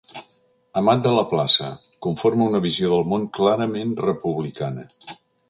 Amat de la plaça, conforma una visió del món clarament republicana.